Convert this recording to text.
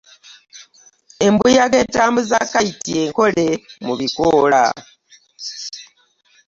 Embuyaga etambuza kayiti enkole mu bikoola.